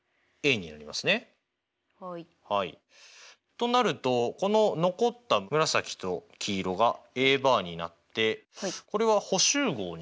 となるとこの残った紫と黄色がＡバーになってこれは補集合になるんですかね？